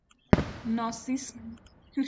ناسیسم